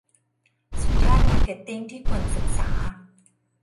สุดยอดมาร์เก็ตติ้งที่ควรศึกษา